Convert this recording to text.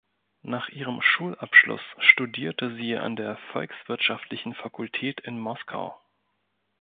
Nach ihrem Schulabschluss studierte sie an der Volkswirtschaftlichen Fakultät in Moskau.